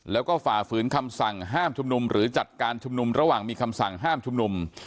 แล้วก็ฝ่าฝืนคำสั่งห้ามชุมนุมหรือจัดการชุมนุมระหว่างมีคำสั่งห้ามชุมนุม